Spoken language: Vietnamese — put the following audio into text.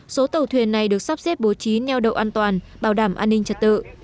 số tàu thuyền này được sắp xếp bố trí neo đậu an toàn bảo đảm an ninh trật tự